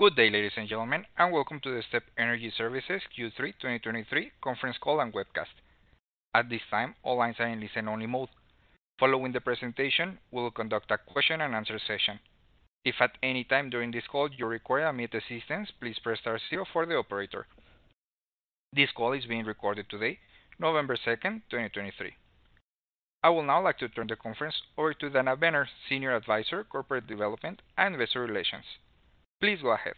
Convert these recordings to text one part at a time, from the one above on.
Good day, ladies and gentlemen, and welcome to the STEP Energy Services Q3 2023 conference call and webcast. At this time, all lines are in listen-only mode. Following the presentation, we will conduct a question and answer session. If at any time during this call you require immediate assistance, please press star zero for the operator. This call is being recorded today, November 2, 2023. I would now like to turn the conference over to Dana Benner, Senior Advisor, Corporate Development and Investor Relations. Please go ahead.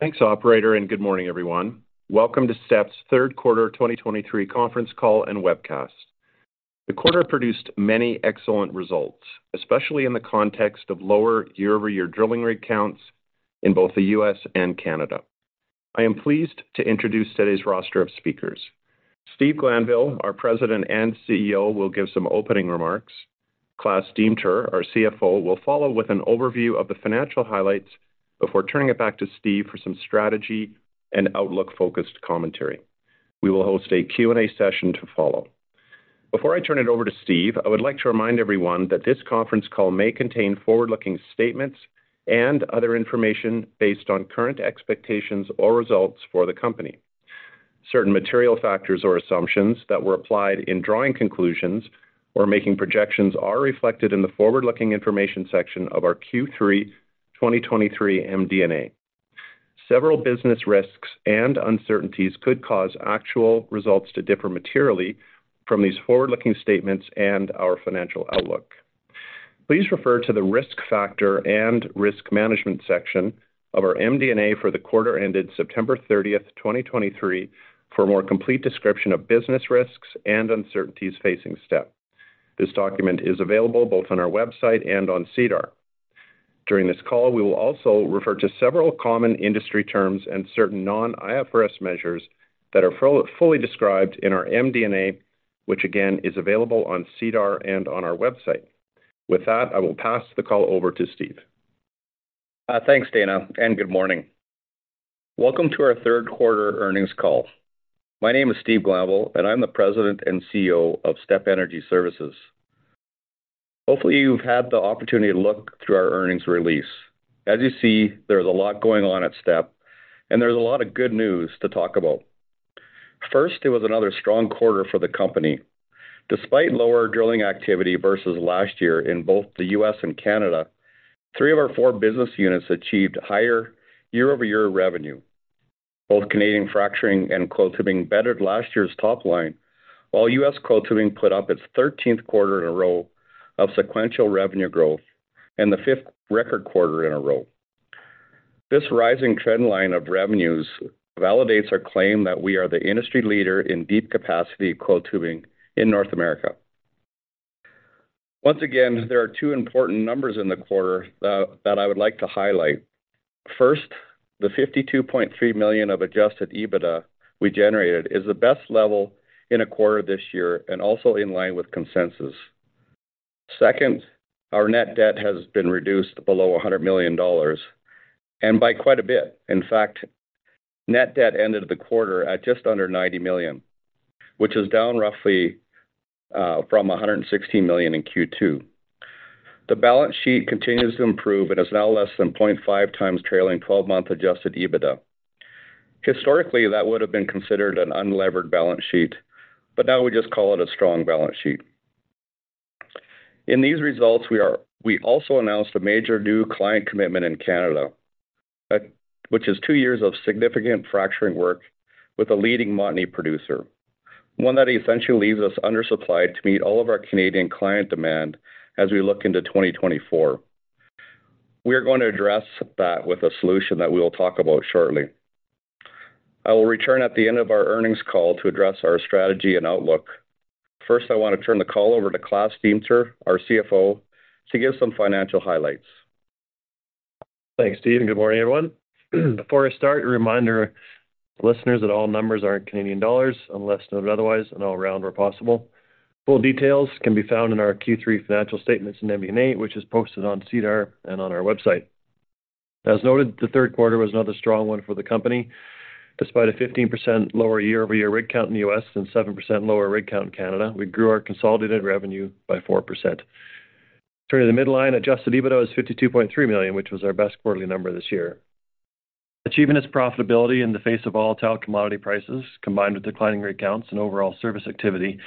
Thanks, operator, and good morning, everyone. Welcome to STEP's third quarter 2023 conference call and webcast. The quarter produced many excellent results, especially in the context of lower year-over-year drilling rig counts in both the U.S. and Canada. I am pleased to introduce today's roster of speakers. Steve Glanville, our President and CEO, will give some opening remarks. Klaas Deemter, our CFO, will follow with an overview of the financial highlights before turning it back to Steve for some strategy and outlook-focused commentary. We will host a Q&A session to follow. Before I turn it over to Steve, I would like to remind everyone that this conference call may contain forward-looking statements and other information based on current expectations or results for the company. Certain material factors or assumptions that were applied in drawing conclusions or making projections are reflected in the forward-looking information section of our Q3 2023 MD&A. Several business risks and uncertainties could cause actual results to differ materially from these forward-looking statements and our financial outlook. Please refer to the risk factor and risk management section of our MD&A for the quarter ended September 30, 2023, for a more complete description of business risks and uncertainties facing STEP. This document is available both on our website and on SEDAR. During this call, we will also refer to several common industry terms and certain non-IFRS measures that are fully described in our MD&A, which again, is available on SEDAR and on our website. With that, I will pass the call over to Steve. Thanks, Dana, and good morning. Welcome to our third quarter earnings call. My name is Steve Glanville, and I'm the President and CEO of STEP Energy Services. Hopefully, you've had the opportunity to look through our earnings release. As you see, there's a lot going on at STEP, and there's a lot of good news to talk about. First, it was another strong quarter for the company. Despite lower drilling activity versus last year in both the U.S. and Canada, three of our four business units achieved higher year-over-year revenue. Both Canadian fracturing and coiled tubing bettered last year's top line, while U.S. coiled tubing put up its thirteenth quarter in a row of sequential revenue growth and the fifth record quarter in a row. This rising trend line of revenues validates our claim that we are the industry leader in deep capacity coiled tubing in North America. Once again, there are two important numbers in the quarter that I would like to highlight. First, the 52.3 million of adjusted EBITDA we generated is the best level in a quarter this year and also in line with consensus. Second, our net debt has been reduced below 100 million dollars, and by quite a bit. In fact, net debt ended the quarter at just under 90 million, which is down roughly from 116 million in Q2. The balance sheet continues to improve and is now less than 0.5 times trailing twelve-month adjusted EBITDA. Historically, that would have been considered an unlevered balance sheet, but now we just call it a strong balance sheet. In these results, we also announced a major new client commitment in Canada, which is two years of significant fracturing work with a leading Montney producer, one that essentially leaves us undersupplied to meet all of our Canadian client demand as we look into 2024. We are going to address that with a solution that we will talk about shortly. I will return at the end of our earnings call to address our strategy and outlook. First, I want to turn the call over to Klaas Deemter, our CFO, to give some financial highlights. Thanks, Steve, and good morning, everyone. Before I start, a reminder to listeners that all numbers are in Canadian dollars, unless noted otherwise, and all rounded where possible. Full details can be found in our Q3 financial statements and MD&A, which is posted on SEDAR and on our website. As noted, the third quarter was another strong one for the company. Despite a 15% lower year-over-year rig count in the U.S. and 7% lower rig count in Canada, we grew our consolidated revenue by 4%. Turning to the bottom line, Adjusted EBITDA was 52.3 million, which was our best quarterly number this year. Achieving this profitability in the face of volatile commodity prices, combined with declining rig counts and overall service activity,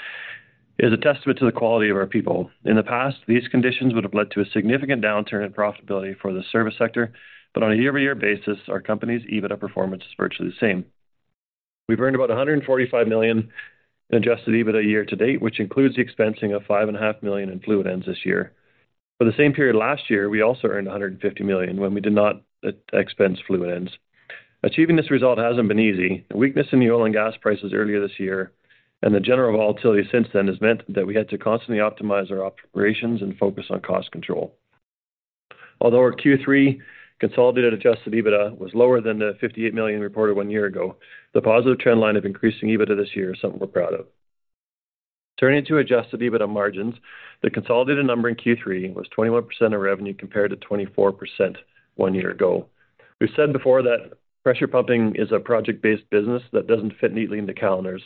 is a testament to the quality of our people. In the past, these conditions would have led to a significant downturn in profitability for the service sector, but on a year-over-year basis, our company's EBITDA performance is virtually the same. We've earned about 145 million in Adjusted EBITDA year to date, which includes the expensing of 5.5 million in fluid ends this year. For the same period last year, we also earned 150 million when we did not expense fluid ends. Achieving this result hasn't been easy. The weakness in the oil and gas prices earlier this year and the general volatility since then has meant that we had to constantly optimize our operations and focus on cost control. Although our Q3 consolidated Adjusted EBITDA was lower than the 58 million reported one year ago, the positive trend line of increasing EBITDA this year is something we're proud of. Turning to Adjusted EBITDA margins, the consolidated number in Q3 was 21% of revenue compared to 24% one year ago. We've said before that pressure pumping is a project-based business that doesn't fit neatly into calendars.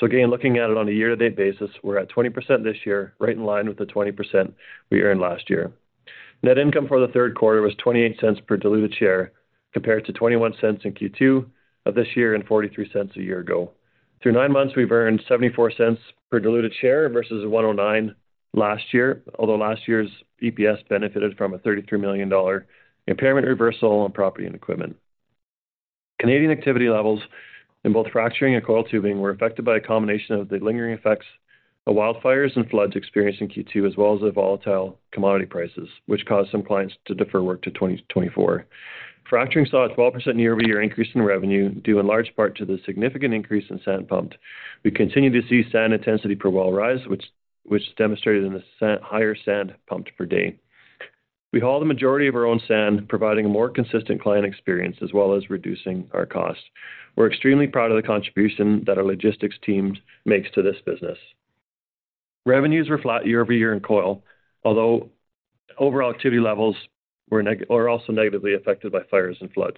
So again, looking at it on a year-to-date basis, we're at 20% this year, right in line with the 20% we earned last year. Net income for the third quarter was 0.28 per diluted share, compared to 0.21 in Q2 of this year and 0.43 a year ago. Through nine months, we've earned 0.74 per diluted share versus 1.09 last year, although last year's EPS benefited from a 33 million dollar impairment reversal on property and equipment. Canadian activity levels in both fracturing and coiled tubing were affected by a combination of the lingering effects of wildfires and floods experienced in Q2, as well as the volatile commodity prices, which caused some clients to defer work to 2024. Fracturing saw a 12% year-over-year increase in revenue, due in large part to the significant increase in sand pumped. We continue to see sand intensity per well rise, which is demonstrated in the higher sand pumped per day. We haul the majority of our own sand, providing a more consistent client experience as well as reducing our costs. We're extremely proud of the contribution that our logistics teams makes to this business. Revenues were flat year-over-year in coiled, although overall activity levels were also negatively affected by fires and floods.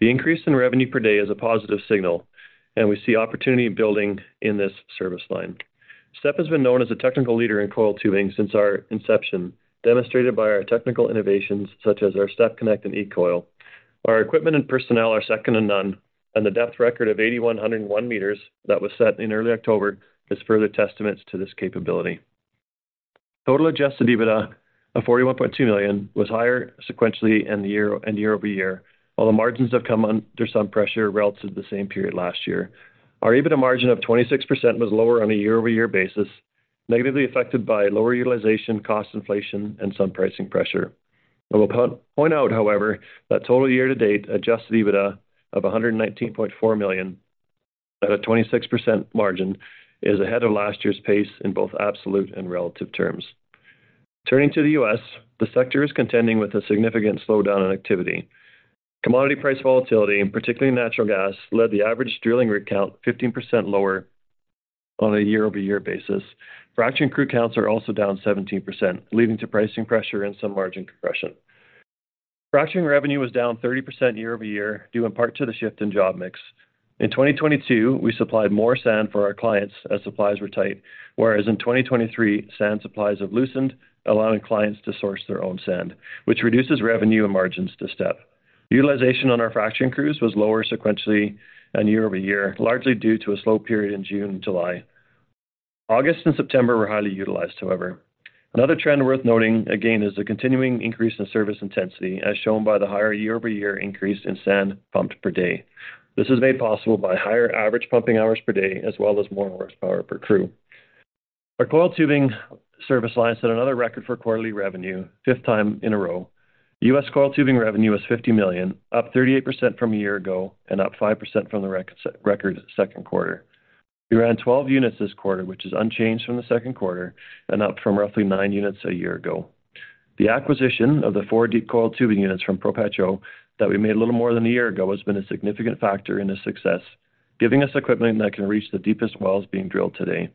The increase in revenue per day is a positive signal, and we see opportunity building in this service line. STEP has been known as a technical leader in coiled tubing since our inception, demonstrated by our technical innovations such as our STEP-Connect and E-Coil. Our equipment and personnel are second to none, and the depth record of 8,101 meters that was set in early October is further testament to this capability. Total Adjusted EBITDA of 41.2 million was higher sequentially and year-over-year. While the margins have come under some pressure relative to the same period last year, our EBITDA margin of 26% was lower on a year-over-year basis, negatively affected by lower utilization, cost inflation and some pricing pressure. I will point out, however, that total year-to-date adjusted EBITDA of 119.4 million at a 26% margin is ahead of last year's pace in both absolute and relative terms. Turning to the U.S., the sector is contending with a significant slowdown in activity. Commodity price volatility, and particularly natural gas, led the average drilling rig count 15% lower on a year-over-year basis. Fracturing crew counts are also down 17%, leading to pricing pressure and some margin compression. Fracturing revenue was down 30% year-over-year, due in part to the shift in job mix. In 2022, we supplied more sand for our clients as supplies were tight, whereas in 2023, sand supplies have loosened, allowing clients to source their own sand, which reduces revenue and margins to STEP. Utilization on our fracturing crews was lower sequentially and year-over-year, largely due to a slow period in June and July. August and September were highly utilized, however. Another trend worth noting, again, is the continuing increase in service intensity, as shown by the higher year-over-year increase in sand pumped per day. This is made possible by higher average pumping hours per day, as well as more horsepower per crew. Our coiled tubing service line set another record for quarterly revenue, fifth time in a row. The U.S. coiled tubing revenue was $50 million, up 38% from a year ago and up 5% from the record second quarter. We ran 12 units this quarter, which is unchanged from the second quarter and up from roughly 9 units a year ago. The acquisition of the four deep coiled tubing units from ProPetro that we made a little more than a year ago has been a significant factor in this success, giving us equipment that can reach the deepest wells being drilled today.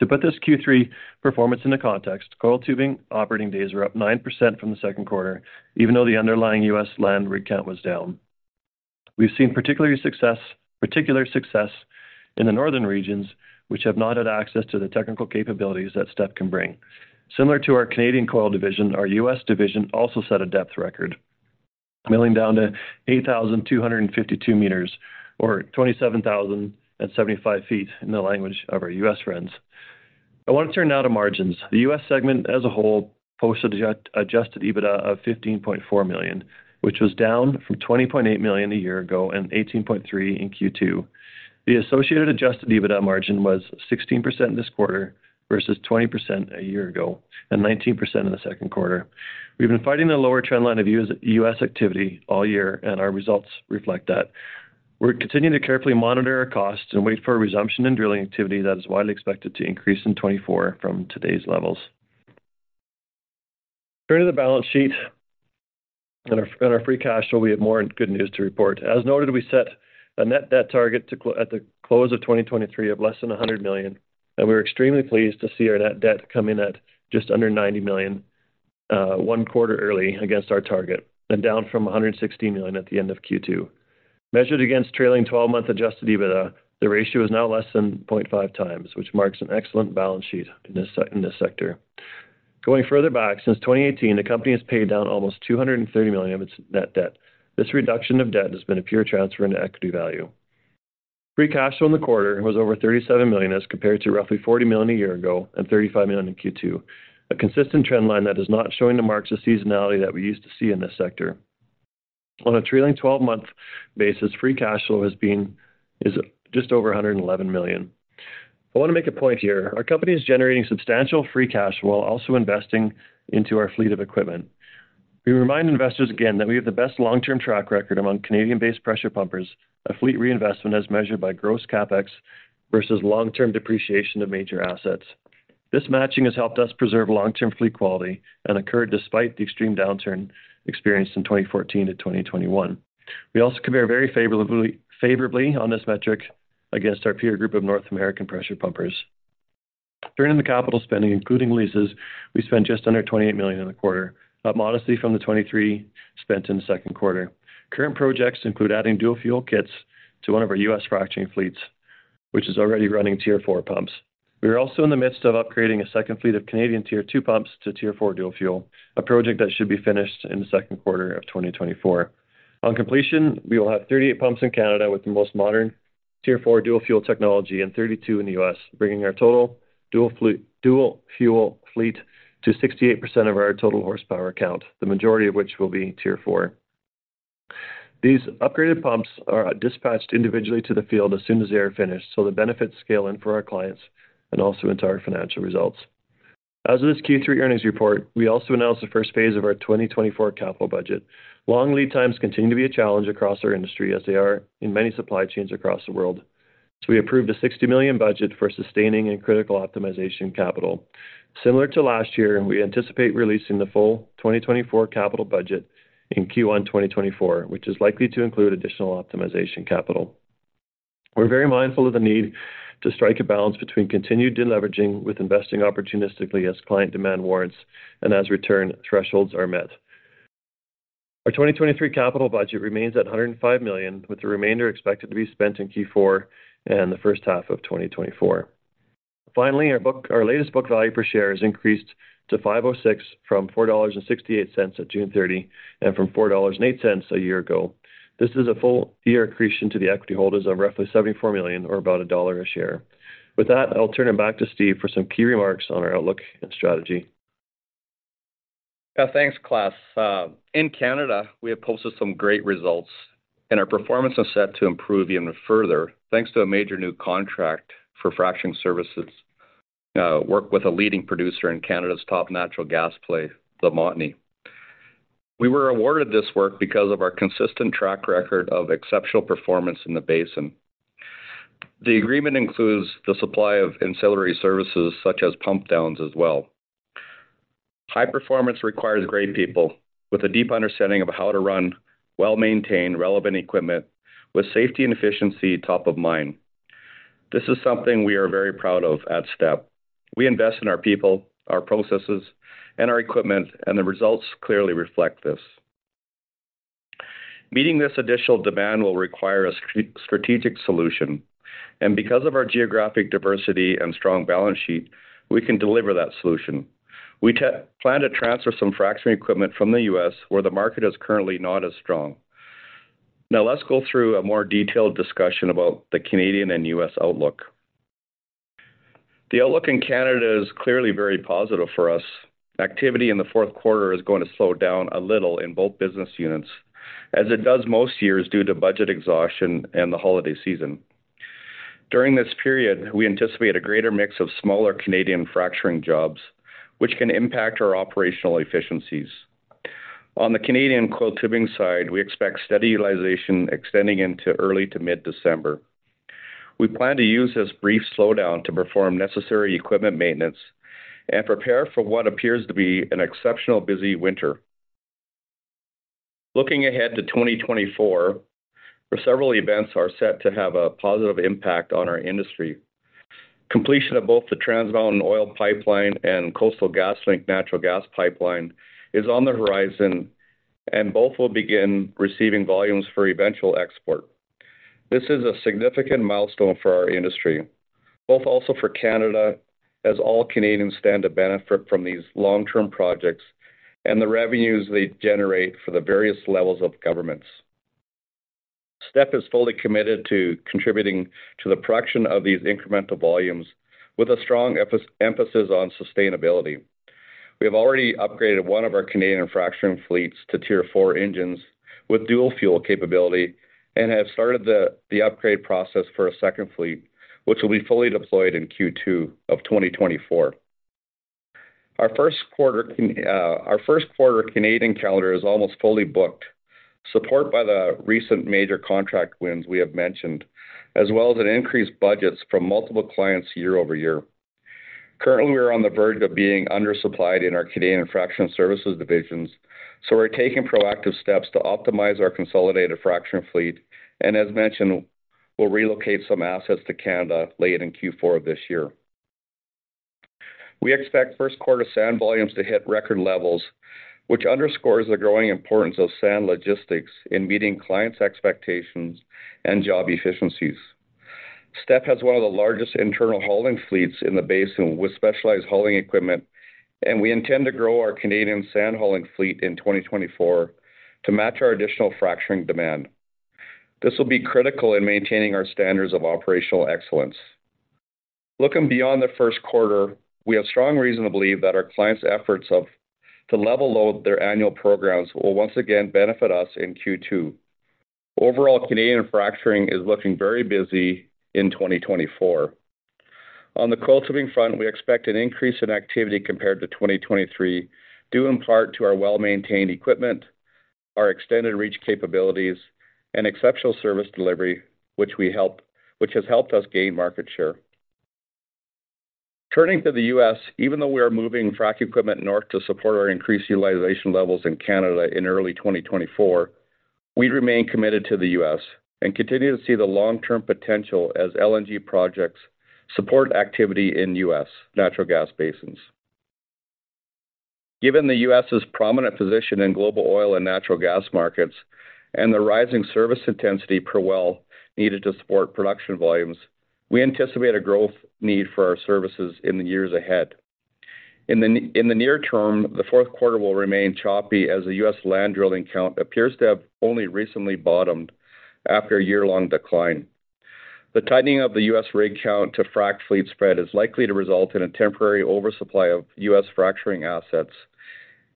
To put this Q3 performance into context, coiled tubing operating days were up 9% from the second quarter, even though the underlying U.S. land rig count was down. We've seen particular success in the northern regions, which have not had access to the technical capabilities that STEP can bring. Similar to our Canadian coiled division, our U.S. division also set a depth record, milling down to 8,252 meters, or 27,075 feet in the language of our U.S. friends. I want to turn now to margins. The US segment as a whole posted adjusted EBITDA of $15.4 million, which was down from $20.8 million a year ago and $18.3 million in Q2. The associated adjusted EBITDA margin was 16% this quarter, versus 20% a year ago and 19% in the second quarter. We've been fighting the lower trend line of US activity all year, and our results reflect that. We're continuing to carefully monitor our costs and wait for a resumption in drilling activity that is widely expected to increase in 2024 from today's levels. Turning to the balance sheet and our free cash flow, we have more good news to report. As noted, we set a net debt target to close at the close of 2023 of less than 100 million, and we're extremely pleased to see our net debt come in at just under 90 million, one quarter early against our target and down from 160 million at the end of Q2. Measured against trailing twelve-month adjusted EBITDA, the ratio is now less than 0.5x, which marks an excellent balance sheet in this sector. Going further back, since 2018, the company has paid down almost 230 million of its net debt. This reduction of debt has been a pure transfer into equity value. Free cash flow in the quarter was over 37 million, as compared to roughly 40 million a year ago and 35 million in Q2, a consistent trend line that is not showing the marks of seasonality that we used to see in this sector. On a trailing twelve-month basis, free cash flow is just over 111 million. I want to make a point here: Our company is generating substantial free cash while also investing into our fleet of equipment. We remind investors again that we have the best long-term track record among Canadian-based pressure pumpers of fleet reinvestment, as measured by gross CapEx versus long-term depreciation of major assets. This matching has helped us preserve long-term fleet quality and occurred despite the extreme downturn experienced in 2014 to 2021. We also compare very favorably, favorably on this metric against our peer group of North American pressure pumpers. Turning to capital spending, including leases, we spent just under 28 million in the quarter, up modestly from the 23 spent in the second quarter. Current projects include adding dual fuel kits to one of our U.S. fracturing fleets, which is already running Tier 4 pumps. We are also in the midst of upgrading a second fleet of Canadian Tier 2 pumps to Tier 4 dual fuel, a project that should be finished in the second quarter of 2024. On completion, we will have 38 pumps in Canada with the most modern Tier 4 dual fuel technology and 32 in the U.S., bringing our total dual fuel fleet to 68% of our total horsepower count, the majority of which will be Tier 4. These upgraded pumps are dispatched individually to the field as soon as they are finished, so the benefits scale in for our clients and also into our financial results. As of this Q3 earnings report, we also announced the first phase of our 2024 capital budget. Long lead times continue to be a challenge across our industry, as they are in many supply chains across the world, so we approved a 60 million budget for sustaining and critical optimization capital. Similar to last year, we anticipate releasing the full 2024 capital budget in Q1 2024, which is likely to include additional optimization capital. We're very mindful of the need to strike a balance between continued deleveraging with investing opportunistically as client demand warrants and as return thresholds are met. Our 2023 capital budget remains at 105 million, with the remainder expected to be spent in Q4 and the first half of 2024. Finally, our latest book value per share has increased to 5.06 from 4.68 dollars at June 30, and from 4.08 dollars a year ago. This is a full year accretion to the equity holders of roughly 74 million or about CAD 1 a share. With that, I'll turn it back to Steve for some key remarks on our outlook and strategy. Thanks, Klaas. In Canada, we have posted some great results, and our performance is set to improve even further, thanks to a major new contract for fracturing services, work with a leading producer in Canada's top natural gas play, the Montney. We were awarded this work because of our consistent track record of exceptional performance in the basin. The agreement includes the supply of ancillary services, such as pump downs as well. High performance requires great people with a deep understanding of how to run well-maintained, relevant equipment with safety and efficiency top of mind. This is something we are very proud of at STEP. We invest in our people, our processes, and our equipment, and the results clearly reflect this. Meeting this additional demand will require a strategic solution, and because of our geographic diversity and strong balance sheet, we can deliver that solution. We plan to transfer some fracturing equipment from the U.S., where the market is currently not as strong. Now, let's go through a more detailed discussion about the Canadian and U.S. outlook. The outlook in Canada is clearly very positive for us. Activity in the fourth quarter is going to slow down a little in both business units, as it does most years due to budget exhaustion and the holiday season. During this period, we anticipate a greater mix of smaller Canadian fracturing jobs, which can impact our operational efficiencies. On the Canadian coiled tubing side, we expect steady utilization extending into early to mid-December. We plan to use this brief slowdown to perform necessary equipment maintenance and prepare for what appears to be an exceptional busy winter. Looking ahead to 2024, where several events are set to have a positive impact on our industry. Completion of both the Trans Mountain oil pipeline and Coastal GasLink natural gas pipeline is on the horizon, and both will begin receiving volumes for eventual export. This is a significant milestone for our industry, both also for Canada, as all Canadians stand to benefit from these long-term projects and the revenues they generate for the various levels of governments. STEP is fully committed to contributing to the production of these incremental volumes with a strong emphasis on sustainability. We have already upgraded one of our Canadian fracturing fleets to Tier 4 engines with dual fuel capability and have started the upgrade process for a second fleet, which will be fully deployed in Q2 of 2024. Our first quarter, our first quarter Canadian calendar is almost fully booked, supported by the recent major contract wins we have mentioned, as well as increased budgets from multiple clients year-over-year. Currently, we are on the verge of being undersupplied in our Canadian fracturing services divisions, so we're taking proactive steps to optimize our consolidated fracturing fleet, and as mentioned, we'll relocate some assets to Canada late in Q4 of this year. We expect first quarter sand volumes to hit record levels, which underscores the growing importance of sand logistics in meeting clients' expectations and job efficiencies. STEP has one of the largest internal hauling fleets in the basin with specialized hauling equipment, and we intend to grow our Canadian sand hauling fleet in 2024 to match our additional fracturing demand. This will be critical in maintaining our standards of operational excellence. Looking beyond the first quarter, we have strong reason to believe that our clients' efforts to level load their annual programs will once again benefit us in Q2. Overall, Canadian fracturing is looking very busy in 2024. On the coiled tubing front, we expect an increase in activity compared to 2023, due in part to our well-maintained equipment, our extended reach capabilities, and exceptional service delivery, which has helped us gain market share. Turning to the U.S., even though we are moving frac equipment north to support our increased utilization levels in Canada in early 2024, we remain committed to the U.S. and continue to see the long-term potential as LNG projects support activity in U.S. natural gas basins. Given the U.S.'s prominent position in global oil and natural gas markets, and the rising service intensity per well needed to support production volumes, we anticipate a growth need for our services in the years ahead. In the near term, the fourth quarter will remain choppy, as the U.S. land drilling count appears to have only recently bottomed after a year-long decline. The tightening of the U.S. rig count to frac fleet spread is likely to result in a temporary oversupply of U.S. fracturing assets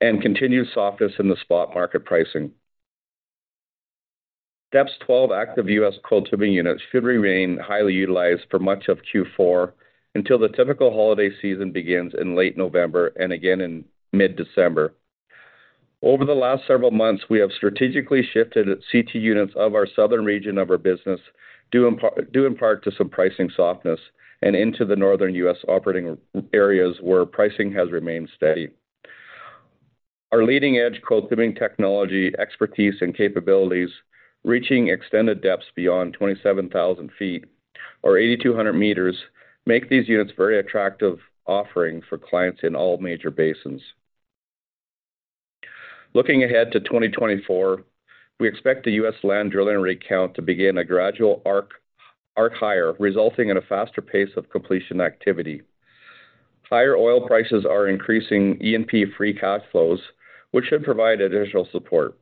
and continued softness in the spot market pricing. STEP's 12 active U.S. coiled tubing units should remain highly utilized for much of Q4 until the typical holiday season begins in late November and again in mid-December. Over the last several months, we have strategically shifted CT units of our southern region of our business, due in part to some pricing softness, and into the northern U.S. operating areas, where pricing has remained steady. Our leading-edge coiled tubing technology, expertise, and capabilities, reaching extended depths beyond 27,000 feet or 8,200 meters, make these units very attractive offering for clients in all major basins. Looking ahead to 2024, we expect the U.S. land drilling rig count to begin a gradual arc higher, resulting in a faster pace of completion activity. Higher oil prices are increasing E&P free cash flows, which should provide additional support.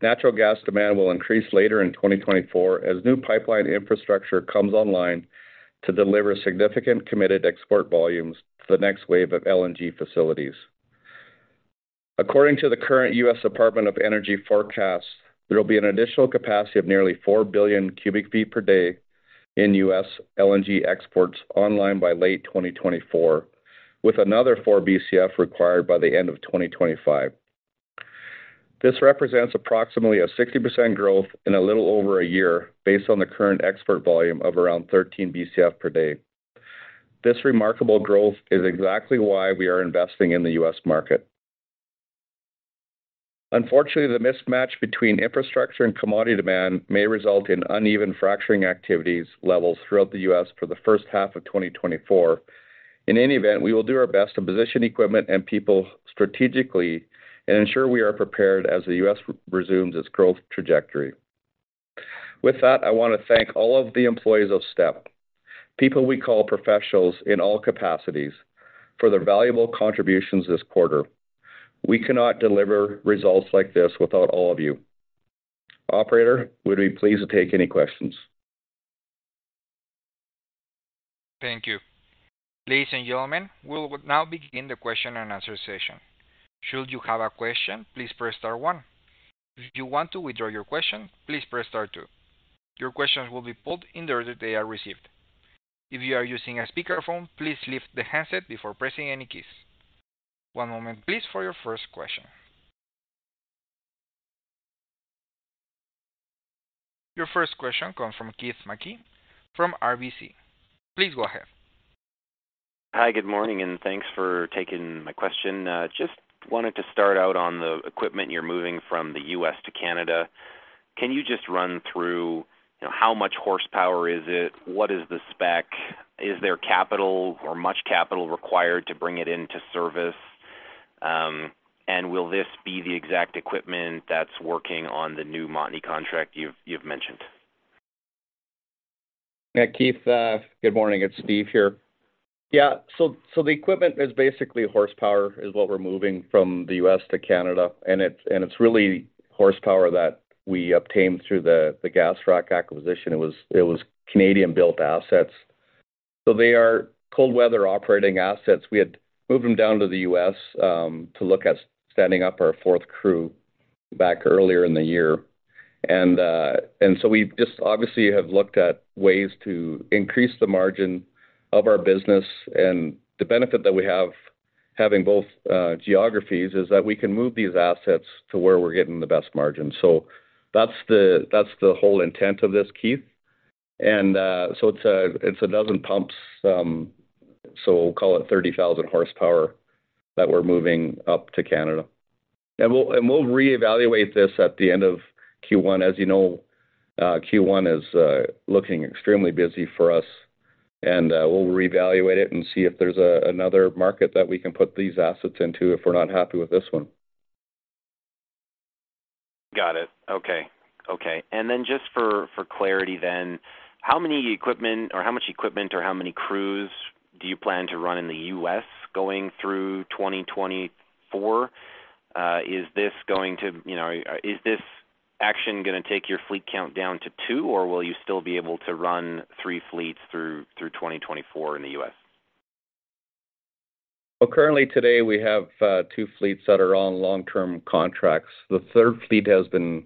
Natural gas demand will increase later in 2024 as new pipeline infrastructure comes online to deliver significant committed export volumes to the next wave of LNG facilities. According to the current U.S. Department of Energy forecast, there will be an additional capacity of nearly 4 billion cubic feet per day in U.S. LNG exports online by late 2024, with another 4 BCF required by the end of 2025. This represents approximately a 60% growth in a little over a year based on the current export volume of around 13 BCF per day. This remarkable growth is exactly why we are investing in the U.S. market. Unfortunately, the mismatch between infrastructure and commodity demand may result in uneven fracturing activities levels throughout the U.S. for the first half of 2024. In any event, we will do our best to position equipment and people strategically and ensure we are prepared as the U.S. resumes its growth trajectory. With that, I want to thank all of the employees of STEP, people we call professionals in all capacities, for their valuable contributions this quarter. We cannot deliver results like this without all of you. Operator, we'd be pleased to take any questions. Thank you. Ladies and gentlemen, we'll now begin the question and answer session. Should you have a question, please press star one. If you want to withdraw your question, please press star two. Your questions will be pulled in the order they are received. If you are using a speakerphone, please lift the handset before pressing any keys. One moment please, for your first question. Your first question comes from Keith Mackey from RBC. Please go ahead. Hi, good morning, and thanks for taking my question. Just wanted to start out on the equipment you're moving from the U.S. to Canada. Can you just run through, you know, how much horsepower is it? What is the spec? Is there capital or much capital required to bring it into service? And will this be the exact equipment that's working on the new Montney contract you've mentioned? Yeah, Keith, good morning. It's Steve here. Yeah, so the equipment is basically horsepower is what we're moving from the U.S. to Canada, and it's really horsepower that we obtained through the GasFrac acquisition. It was Canadian-built assets. So they are cold-weather operating assets. We had moved them down to the U.S. to look at standing up our fourth crew back earlier in the year. And so we just obviously have looked at ways to increase the margin of our business, and the benefit that we have, having both geographies, is that we can move these assets to where we're getting the best margin. So that's the whole intent of this, Keith. And so it's 12 pumps, so we'll call it 30,000 horsepower that we're moving up to Canada. We'll reevaluate this at the end of Q1. As you know, Q1 is looking extremely busy for us, and we'll reevaluate it and see if there's another market that we can put these assets into if we're not happy with this one. Got it. Okay. Okay, and then just for clarity then, how many equipment or how much equipment or how many crews do you plan to run in the U.S. going through 2024? Is this going to, you know, is this action gonna take your fleet count down to 2, or will you still be able to run 3 fleets through 2024 in the U.S.? Well, currently today, we have two fleets that are on long-term contracts. The third fleet has been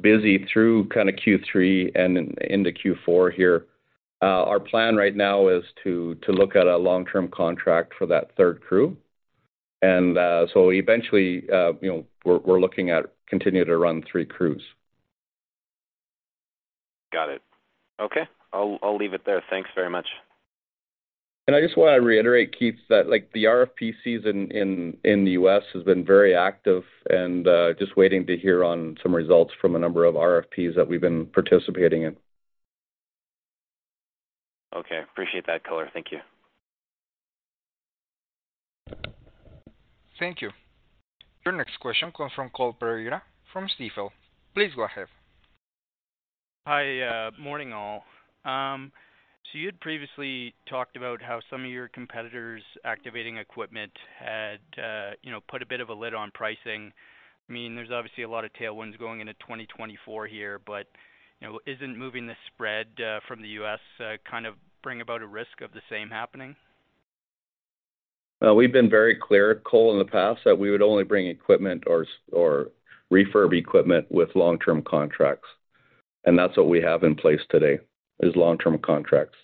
busy through kind of Q3 and into Q4 here. Our plan right now is to look at a long-term contract for that third crew. And so eventually, you know, we're looking at continuing to run three crews.... Got it. Okay, I'll leave it there. Thanks very much. I just want to reiterate, Keith, that, like, the RFP season in the U.S. has been very active, and just waiting to hear on some results from a number of RFPs that we've been participating in. Okay. Appreciate that color. Thank you. Thank you. Your next question comes from Cole Pereira from Stifel. Please go ahead. Hi, morning, all. So you had previously talked about how some of your competitors activating equipment had, you know, put a bit of a lid on pricing. I mean, there's obviously a lot of tailwinds going into 2024 here, but, you know, isn't moving the spread from the US kind of bring about a risk of the same happening? We've been very clear, Cole, in the past that we would only bring equipment or refurbished equipment with long-term contracts, and that's what we have in place today, is long-term contracts.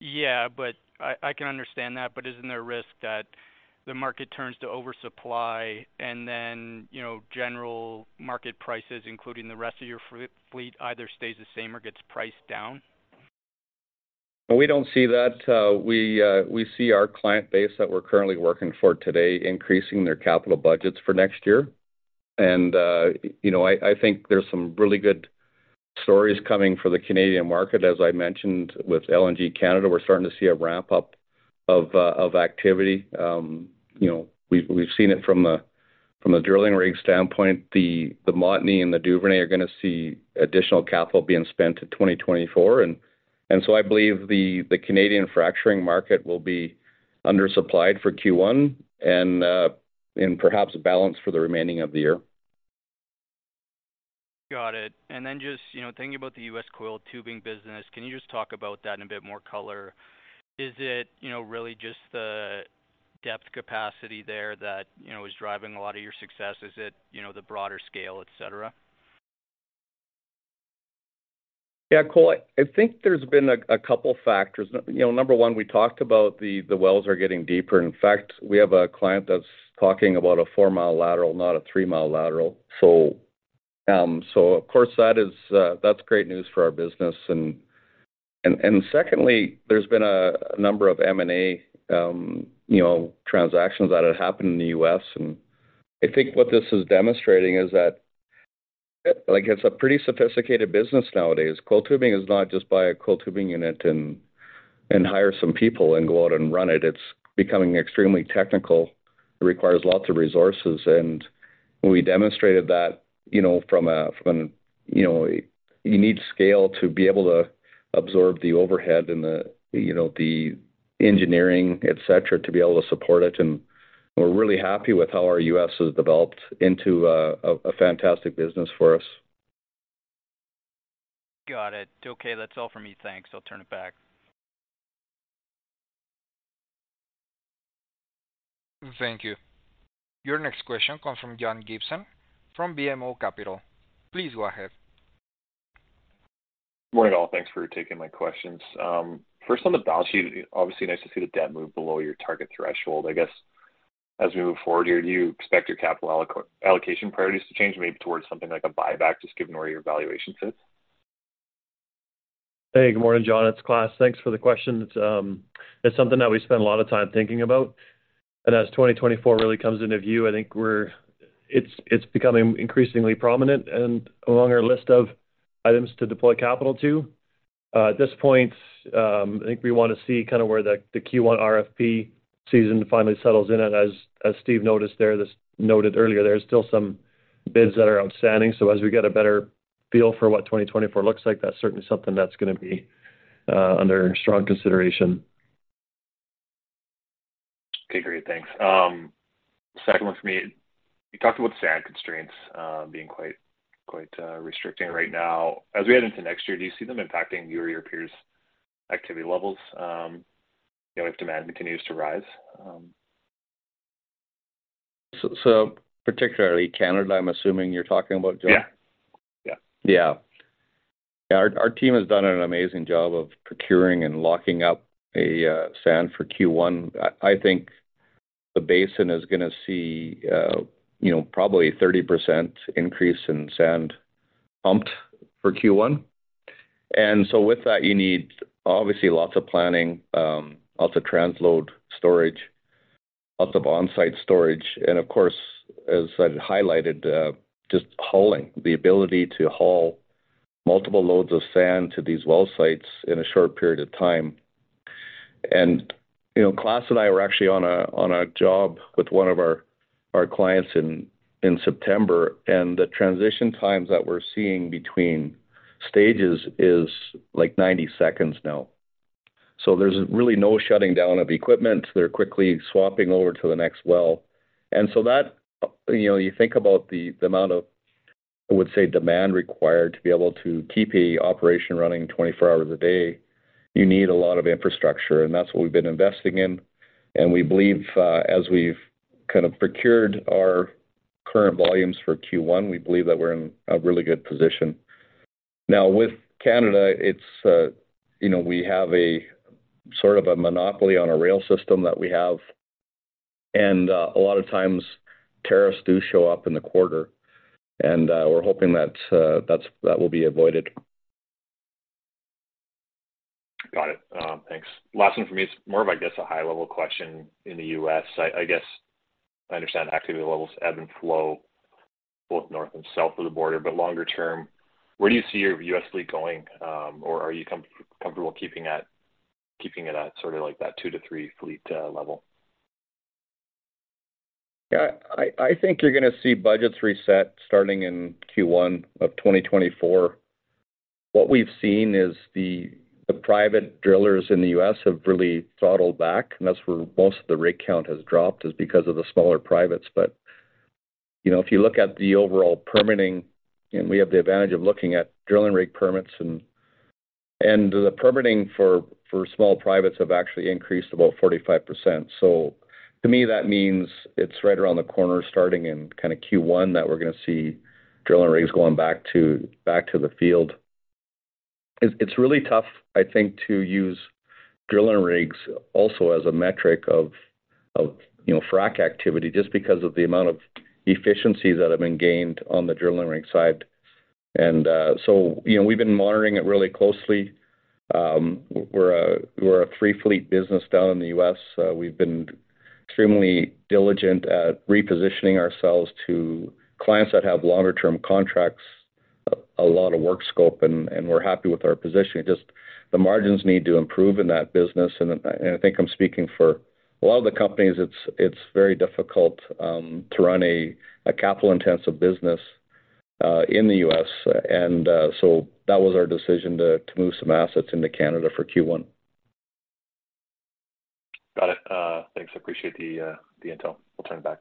Yeah, but I can understand that, but isn't there a risk that the market turns to oversupply and then, you know, general market prices, including the rest of your fleet, either stays the same or gets priced down? We don't see that. We see our client base that we're currently working for today increasing their capital budgets for next year. And, you know, I think there's some really good stories coming for the Canadian market. As I mentioned, with LNG Canada, we're starting to see a ramp-up of activity. You know, we've seen it from a drilling rig standpoint. The Montney and the Duvernay are going to see additional capital being spent in 2024, and so I believe the Canadian fracturing market will be undersupplied for Q1 and perhaps balanced for the remaining of the year. Got it. And then just, you know, thinking about the U.S. coiled tubing business, can you just talk about that in a bit more color? Is it, you know, really just the depth capacity there that, you know, is driving a lot of your success? Is it, you know, the broader scale, et cetera? Yeah, Cole, I think there's been a couple factors. You know, number one, we talked about the wells are getting deeper. In fact, we have a client that's talking about a four-mile lateral, not a three-mile lateral. So, of course, that is, that's great news for our business. And secondly, there's been a number of M&A, you know, transactions that have happened in the U.S., and I think what this is demonstrating is that, like, it's a pretty sophisticated business nowadays. Coiled tubing is not just buy a coiled tubing unit and hire some people and go out and run it. It's becoming extremely technical. It requires lots of resources, and we demonstrated that, you know, from a, from, you know... You need scale to be able to absorb the overhead and the, you know, the engineering, et cetera, to be able to support it. We're really happy with how our U.S. has developed into a fantastic business for us. Got it. Okay, that's all for me. Thanks. I'll turn it back. Thank you. Your next question comes from John Gibson from BMO Capital. Please go ahead. Morning, all. Thanks for taking my questions. First, on the balance sheet, obviously, nice to see the debt move below your target threshold. I guess as we move forward here, do you expect your capital allocation priorities to change, maybe towards something like a buyback, just given where your valuation sits? Hey, good morning, John. It's Klaas. Thanks for the question. It's something that we spend a lot of time thinking about, and as 2024 really comes into view, I think it's becoming increasingly prominent and along our list of items to deploy capital to. At this point, I think we want to see kind of where the Q1 RFP season finally settles in, and as Steve noticed there, just noted earlier, there are still some bids that are outstanding. So as we get a better feel for what 2024 looks like, that's certainly something that's going to be under strong consideration. Okay, great. Thanks. Second one for me. You talked about sand constraints, being quite restricting right now. As we head into next year, do you see them impacting you or your peers' activity levels, you know, if demand continues to rise? So, particularly Canada, I'm assuming you're talking about, John? Yeah. Yeah. Yeah. Yeah, our team has done an amazing job of procuring and locking up a sand for Q1. I think the basin is going to see, you know, probably a 30% increase in sand pumped for Q1. And so with that, you need obviously lots of planning, lots of transload storage, lots of onsite storage, and of course, as I highlighted, just hauling, the ability to haul multiple loads of sand to these well sites in a short period of time. And, you know, Klaas and I were actually on a job with one of our clients in September, and the transition times that we're seeing between stages is, like, 90 seconds now. So there's really no shutting down of equipment. They're quickly swapping over to the next well. And so that, you know, you think about the amount of, I would say, demand required to be able to keep a operation running 24 hours a day, you need a lot of infrastructure, and that's what we've been investing in. And we believe, as we've kind of procured our current volumes for Q1, we believe that we're in a really good position. Now, with Canada, it's, you know, we have a sort of a monopoly on a rail system that we have, and a lot of times tariffs do show up in the quarter, and we're hoping that that will be avoided. Got it. Thanks. Last one for me is more of, I guess, a high-level question in the U.S. I guess I understand activity levels ebb and flow both north and south of the border, but longer term, where do you see your U.S. fleet going? Or are you comfortable keeping it at sort of like that 2-3 fleet level? Yeah, I think you're gonna see budgets reset starting in Q1 of 2024. What we've seen is the private drillers in the U.S. have really throttled back, and that's where most of the rig count has dropped, is because of the smaller privates. But, you know, if you look at the overall permitting, and we have the advantage of looking at drilling rig permits, and the permitting for small privates have actually increased about 45%. So to me, that means it's right around the corner, starting in kinda Q1, that we're gonna see drilling rigs going back to the field. It's really tough, I think, to use drilling rigs also as a metric of, you know, frack activity, just because of the amount of efficiencies that have been gained on the drilling rig side. You know, we've been monitoring it really closely. We're a three fleet business down in the U.S. We've been extremely diligent at repositioning ourselves to clients that have longer term contracts, a lot of work scope, and we're happy with our positioning. Just the margins need to improve in that business. I think I'm speaking for a lot of the companies, it's very difficult to run a capital-intensive business in the U.S. That was our decision to move some assets into Canada for Q1. Got it. Thanks. I appreciate the, the intel. We'll turn it back.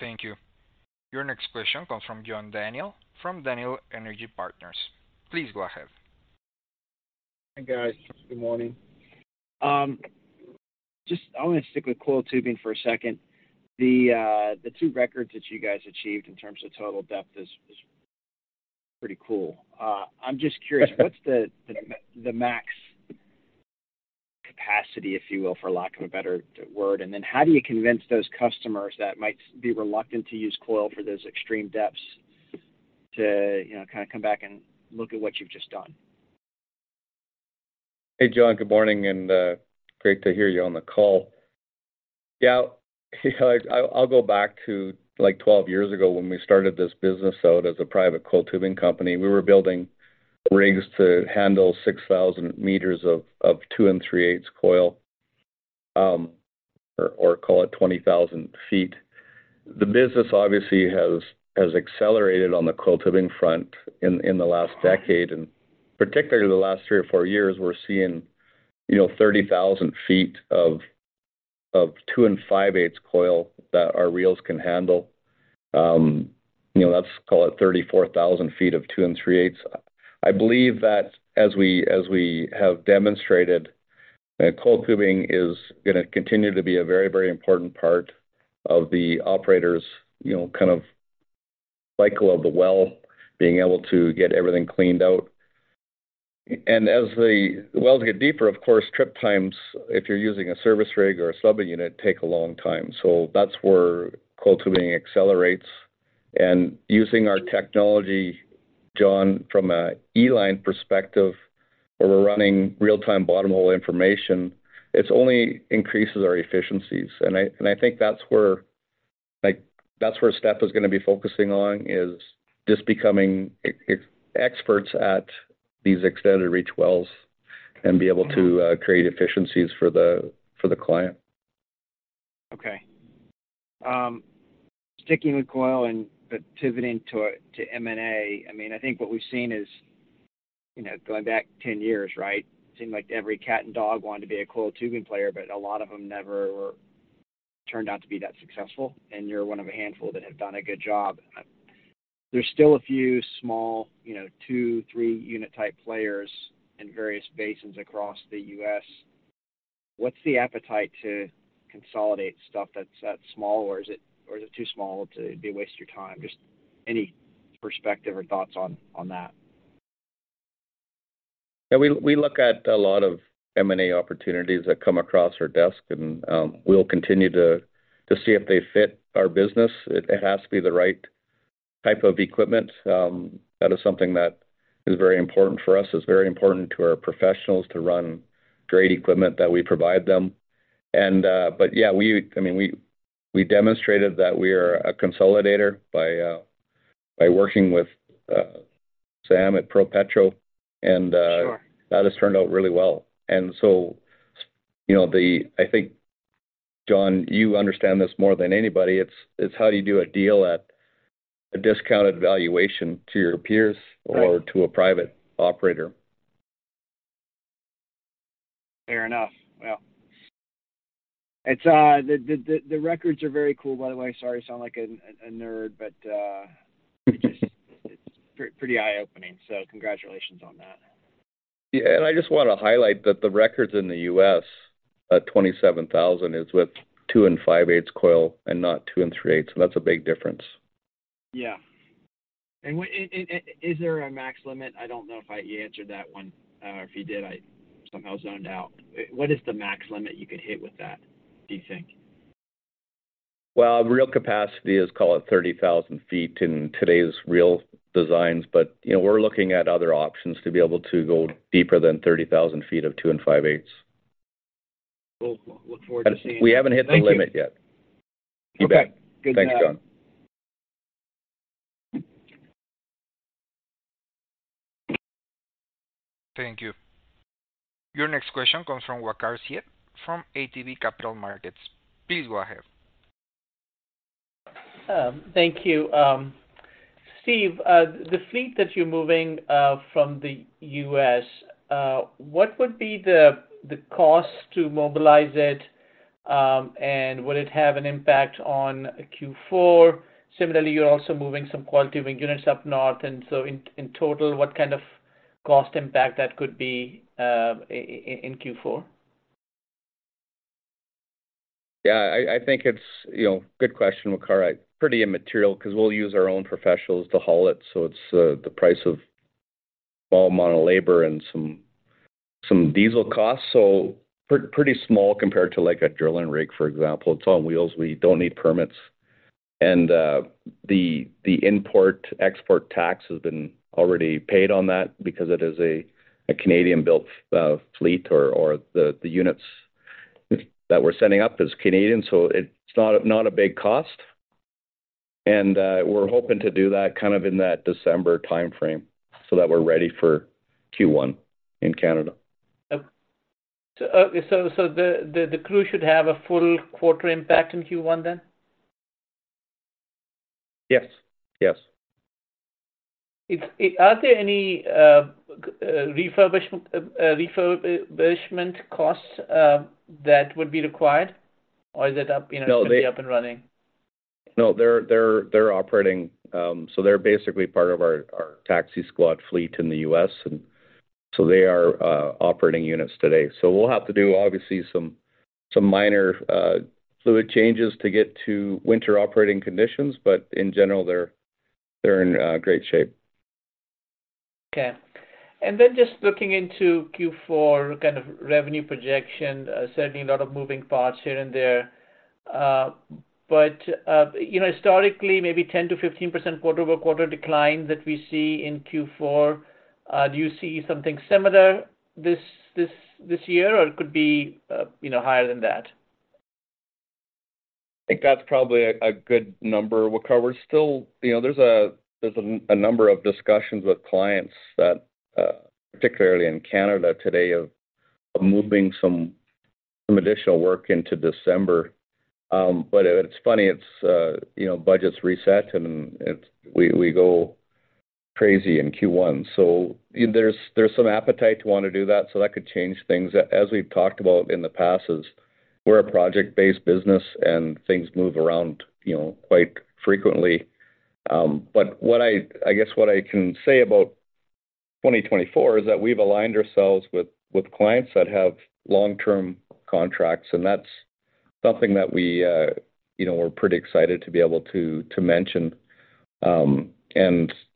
Thank you. Your next question comes from John Daniel from Daniel Energy Partners. Please go ahead. Hi, guys. Good morning. Just I wanna stick with coiled tubing for a second. The two records that you guys achieved in terms of total depth is pretty cool. I'm just curious, what's the max capacity, if you will, for lack of a better word? And then how do you convince those customers that might be reluctant to use coiled for those extreme depths to, you know, kinda come back and look at what you've just done? Hey, John. Good morning, and great to hear you on the call. Yeah, you know, I'll go back to, like, 12 years ago when we started this business out as a private coiled tubing company. We were building rigs to handle 6,000 meters of two and three-eighths coil, or call it 20,000 feet. The business obviously has accelerated on the coiled tubing front in the last decade, and particularly the last three or four years, we're seeing, you know, 30,000 feet of two and five-eighths coil that our reels can handle. You know, let's call it 34,000 feet of two and three-eighths. I believe that as we, as we have demonstrated, coiled tubing is gonna continue to be a very, very important part of the operators, you know, kind of cycle of the well, being able to get everything cleaned out. And as the wells get deeper, of course, trip times, if you're using a service rig or a snub unit, take a long time. So that's where coiled tubing accelerates. And using our technology, John, from a E-line perspective, where we're running real-time bottom hole information, it's only increases our efficiencies. And I, and I think that's where, like, that's where STEP is gonna be focusing on, is just becoming experts at these extended reach wells and be able to create efficiencies for the, for the client. Okay. Sticking with coil and, but pivoting to, to M&A, I mean, I think what we've seen is, you know, going back 10 years, right? It seemed like every cat and dog wanted to be a coiled tubing player, but a lot of them never turned out to be that successful, and you're one of a handful that have done a good job. There's still a few small, you know, two, three unit type players in various basins across the U.S. What's the appetite to consolidate stuff that's that small, or is it, or is it too small to be a waste of your time? Just any perspective or thoughts on, on that. Yeah, we look at a lot of M&A opportunities that come across our desk, and we'll continue to see if they fit our business. It has to be the right type of equipment. That is something that is very important for us, it's very important to our professionals to run great equipment that we provide them. But yeah, I mean, we demonstrated that we are a consolidator by working with Sam at ProPetro, and- Sure... that has turned out really well. And so, you know, I think, John, you understand this more than anybody, it's, it's how do you do a deal at a discounted valuation to your peers- Right... or to a private operator? Fair enough. Well, it's the records are very cool, by the way. Sorry, I sound like a nerd, but it's just, it's pretty eye-opening. So congratulations on that. Yeah, and I just wanna highlight that the records in the U.S. at 27,000 is with 2 5/8 coil and not 2 3/8, and that's a big difference. ... Yeah. And is there a max limit? I don't know if you answered that one, or if you did, I somehow zoned out. What is the max limit you could hit with that, do you think? Well, real capacity is, call it, 30,000 feet in today's real designs. But, you know, we're looking at other options to be able to go deeper than 30,000 feet of 2 5/8. We'll look forward to seeing. We haven't hit the limit yet. Okay. Thanks, John. Thank you. Your next question comes from Waqar Syed from ATB Capital Markets. Please go ahead. Thank you. Steve, the fleet that you're moving from the U.S., what would be the cost to mobilize it? And would it have an impact on Q4? Similarly, you're also moving some quality of units up north, and so in total, what kind of cost impact that could be in Q4? Yeah, I think it's, you know, good question, Waqar. Pretty immaterial, 'cause we'll use our own professionals to haul it, so it's the price of small amount of labor and some diesel costs. So pretty small compared to, like, a drilling rig, for example. It's on wheels. We don't need permits. And the import-export tax has been already paid on that because it is a Canadian-built fleet or the units that we're sending up is Canadian, so it's not a big cost. And we're hoping to do that kind of in that December timeframe so that we're ready for Q1 in Canada. Okay. So the crew should have a full quarter impact in Q1 then? Yes. Yes. Are there any refurbishment costs that would be required? Or is it up, you know- No, they- be up and running? No, they're operating. So they're basically part of our taxi squad fleet in the U.S., and so they are operating units today. So we'll have to do, obviously, some minor fluid changes to get to winter operating conditions, but in general, they're in great shape. Okay. And then just looking into Q4 kind of revenue projection, certainly a lot of moving parts here and there. But, you know, historically, maybe 10%-15% quarter-over-quarter decline that we see in Q4. Do you see something similar this year, or it could be, you know, higher than that? I think that's probably a good number, Waqar. We're still. You know, there's a number of discussions with clients that, particularly in Canada today, of moving some additional work into December. But it's funny, it's, you know, budgets reset and it's, we go crazy in Q1. So there's some appetite to want to do that, so that could change things. As we've talked about in the past, is we're a project-based business and things move around, you know, quite frequently. But what I guess what I can say about 2024 is that we've aligned ourselves with clients that have long-term contracts, and that's something that we, you know, we're pretty excited to be able to mention.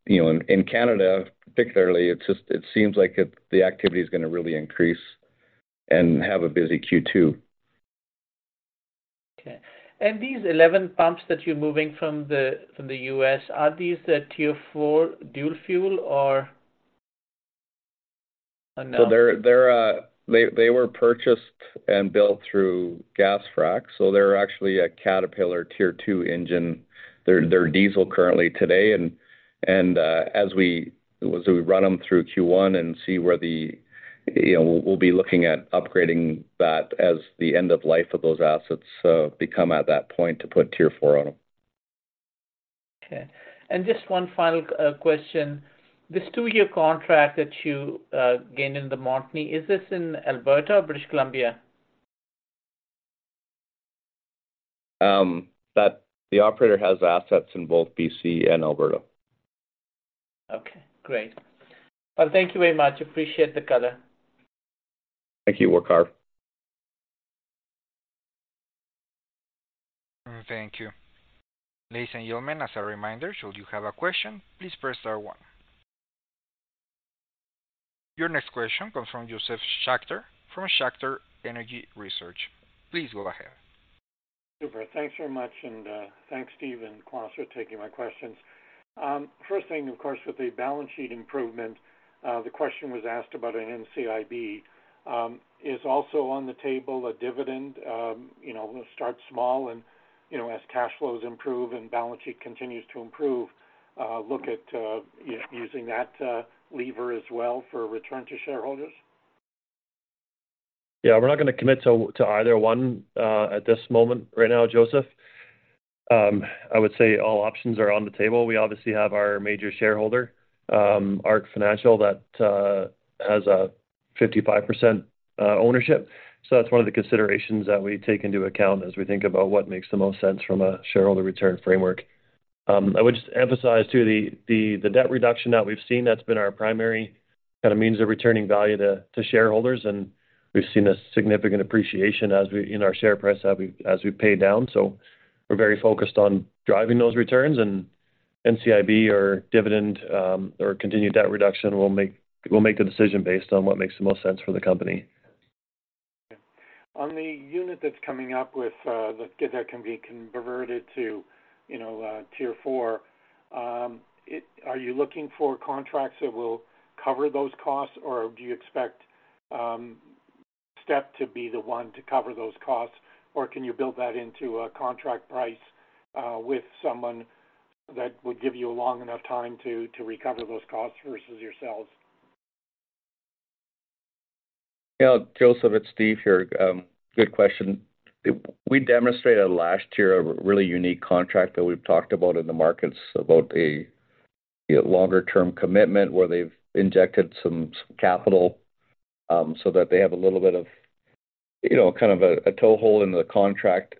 You know, in Canada, particularly, it's just, it seems like it, the activity is going to really increase and have a busy Q2. Okay. And these 11 pumps that you're moving from the U.S., are these the Tier 4 dual fuel or... No? So they were purchased and built through GasFrac, so they're actually a Caterpillar Tier 2 engine. They're diesel currently today, and as we run them through Q1 and see where the... You know, we'll be looking at upgrading that as the end of life of those assets become at that point to put Tier 4 on them. Okay. And just one final question. This two-year contract that you gained in the Montney, is this in Alberta or British Columbia? The operator has assets in both BC and Alberta. Okay, great. Well, thank you very much. Appreciate the color. Thank you, Waqar. Thank you. Ladies and gentlemen, as a reminder, should you have a question, please press star one. Your next question comes from Josef Schachter from Schachter Energy Research. Please go ahead. Super. Thanks very much, and, thanks, Steve and Waqar, for taking my questions. First thing, of course, with the balance sheet improvement, the question was asked about an NCIB. Is also on the table a dividend, you know, start small and, you know, as cash flows improve and balance sheet continues to improve, look at using that lever as well for return to shareholders? Yeah, we're not going to commit to either one at this moment right now, Josef. I would say all options are on the table. We obviously have our major shareholder, ARC Financial, that has a 55% ownership. So that's one of the considerations that we take into account as we think about what makes the most sense from a shareholder return framework. I would just emphasize, too, the debt reduction that we've seen, that's been our primary kind of means of returning value to shareholders, and we've seen a significant appreciation as we in our share price as we pay down. So we're very focused on driving those returns and NCIB or dividend, or continued debt reduction. We'll make the decision based on what makes the most sense for the company. On the unit that's coming up with that can be converted to, you know, Tier 4, are you looking for contracts that will cover those costs, or do you expect STEP to be the one to cover those costs? Or can you build that into a contract price with someone that would give you a long enough time to recover those costs versus yourselves? Yeah, Josef, it's Steve here. Good question. We demonstrated last year a really unique contract that we've talked about in the markets, about a longer-term commitment where they've injected some capital, so that they have a little bit of, you know, kind of a toehold in the contract.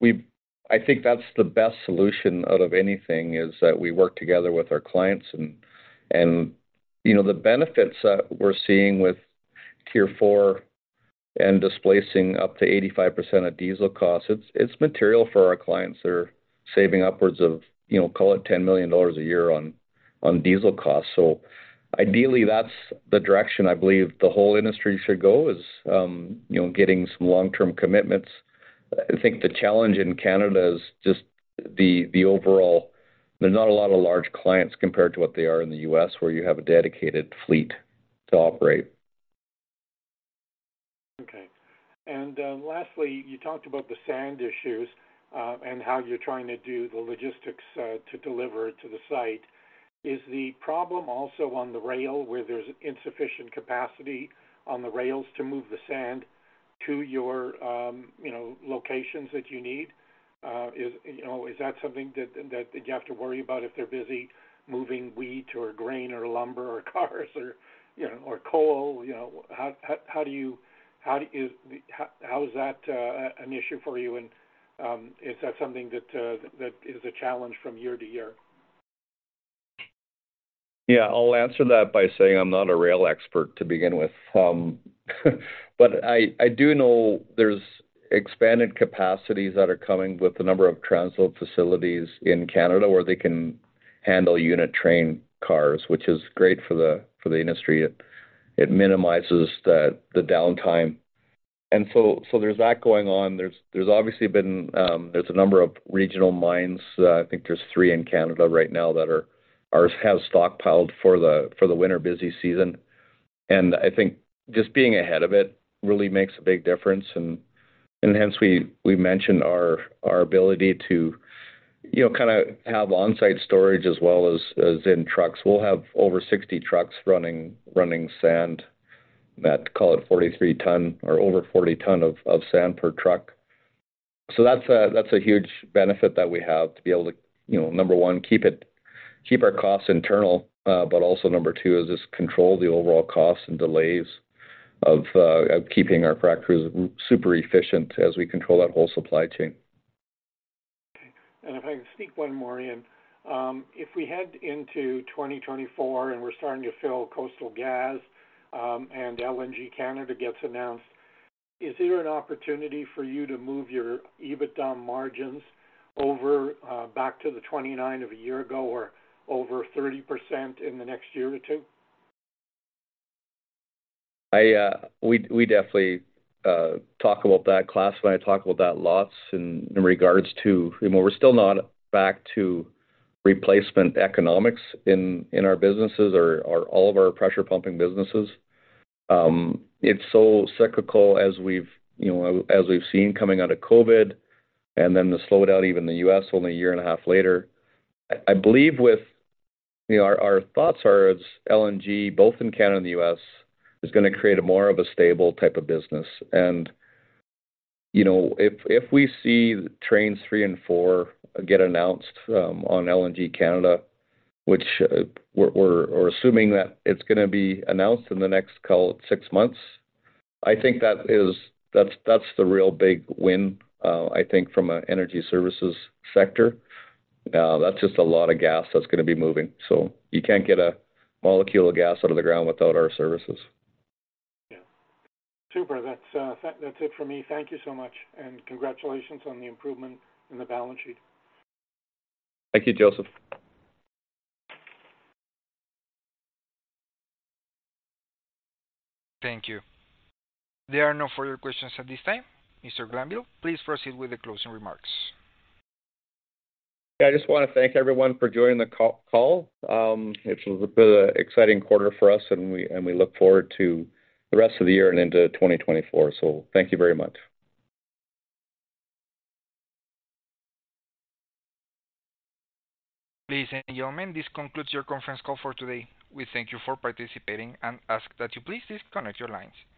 We, I think that's the best solution out of anything, is that we work together with our clients and, you know, the benefits that we're seeing with Tier 4 and displacing up to 85% of diesel costs, it's material for our clients that are saving upwards of, you know, call it $10 million a year on diesel costs. So ideally, that's the direction I believe the whole industry should go, is, you know, getting some long-term commitments. I think the challenge in Canada is just the overall... There are not a lot of large clients compared to what they are in the U.S., where you have a dedicated fleet to operate. Okay. And, lastly, you talked about the sand issues, and how you're trying to do the logistics, to deliver to the site. Is the problem also on the rail, where there's insufficient capacity on the rails to move the sand to your, you know, locations that you need? Is, you know, is that something that, that you have to worry about if they're busy moving wheat or grain or lumber or cars or, you know, or coal? You know, how, how do you-- how is the... How is that, an issue for you? And, is that something that, that is a challenge from year to year? Yeah. I'll answer that by saying I'm not a rail expert to begin with. But I do know there's expanded capacities that are coming with the number of transload facilities in Canada, where they can handle unit train cars, which is great for the industry. It minimizes the downtime. And so there's that going on. There's obviously been a number of regional mines. I think there's three in Canada right now that have stockpiled for the winter busy season. And I think just being ahead of it really makes a big difference. And hence we mentioned our ability to, you know, kind of have on-site storage as well as in trucks. We'll have over 60 trucks running sand that call it 43-ton or over 40-ton of sand per truck. So that's a huge benefit that we have to be able to, you know, number one, keep it—keep our costs internal, but also number two, is just control the overall costs and delays of keeping our frac crews super efficient as we control that whole supply chain. Okay. And if I can sneak one more in. If we head into 2024, and we're starting to fill Coastal Gas, and LNG Canada gets announced, is there an opportunity for you to move your EBITDA margins over, back to the 29% of a year ago or over 30% in the next year or two? We definitely talk about that, Klaas, when I talk about that lots in regards to. You know, we're still not back to replacement economics in our businesses or all of our pressure pumping businesses. It's so cyclical as we've, you know, as we've seen coming out of COVID, and then the slowdown, even in the U.S., only a year and a half later. I believe with... You know, our thoughts are, as LNG, both in Canada and the U.S., is gonna create more of a stable type of business. And, you know, if we see Trains three and four get announced on LNG Canada, which we're assuming that it's gonna be announced in the next, call it, six months, I think that is-- that's the real big win, I think from an energy services sector. That's just a lot of gas that's gonna be moving, so you can't get a molecule of gas out of the ground without our services. Yeah. Super. That's, that's it for me. Thank you so much, and congratulations on the improvement in the balance sheet. Thank you, Josef. Thank you. There are no further questions at this time. Mr. Glanville, please proceed with the closing remarks. I just want to thank everyone for joining the call. It's been an exciting quarter for us, and we, and we look forward to the rest of the year and into 2024. Thank you very much. Ladies and gentlemen, this concludes your conference call for today. We thank you for participating and ask that you please disconnect your lines. Thank you.